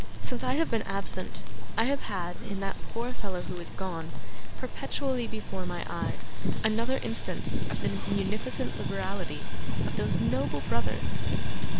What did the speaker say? Since I have been absent, I have had, in that poor fellow who is gone, perpetually before my eyes, another instance of the munificent liberality of these noble brothers.